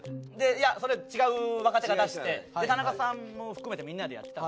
いやそれ違う若手が出して田中さんも含めてみんなでやってたんですけど。